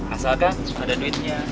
asalkan ada duitnya